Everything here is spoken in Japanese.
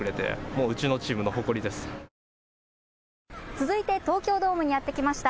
続いて東京ドームにやって来ました。